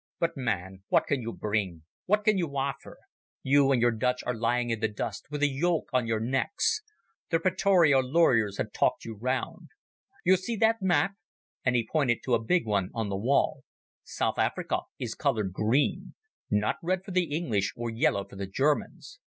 But, man, what can you bring? What can you offer? You and your Dutch are lying in the dust with the yoke on your necks. The Pretoria lawyers have talked you round. You see that map," and he pointed to a big one on the wall. "South Africa is coloured green. Not red for the English, or yellow for the Germans.